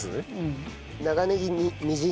長ネギみじんです。